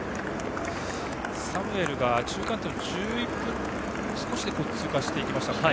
サムエルが中間点を１１分少しで通過していきましたかね。